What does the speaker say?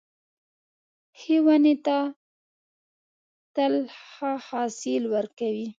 ښې ونې تل ښه حاصل ورکوي .